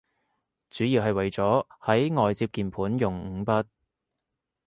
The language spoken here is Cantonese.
主要係為咗喺外接鍵盤用五筆